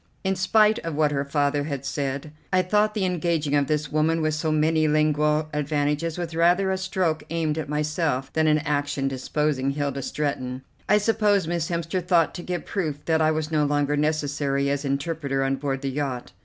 In spite of what her father had said, I thought the engaging of this woman with so many lingual advantages was rather a stroke aimed at myself than an action deposing Hilda Stretton. I suppose Miss Hemster thought to give proof that I was no longer necessary as interpreter on board the yacht.